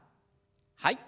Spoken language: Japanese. はい。